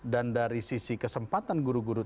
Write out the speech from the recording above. dari sisi kesempatan guru guru